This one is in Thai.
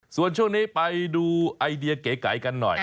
ส่วนช่วงนี้ไปดูไอเดียเก๋กันหน่อย